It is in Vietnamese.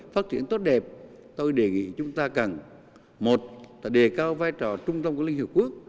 phát triển tốt đẹp tôi đề nghị chúng ta cần một là đề cao vai trò trung tâm của liên hiệp quốc